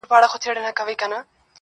وير راوړي غم راوړي خنداوي ټولي يوسي دغه.